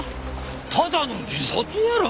ただの自殺やろ！